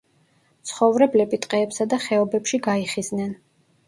მცხოვრებლები ტყეებსა და ხეობებში გაიხიზნენ.